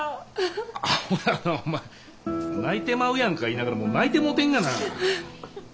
アホやなお前泣いてまうやんか言いながらもう泣いてもうてんがな。